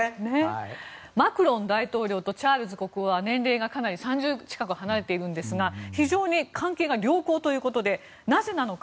マクロン大統領とチャールズ国王は年齢がかなり３０近く離れているんですが非常に関係が良好ということでなぜなのか。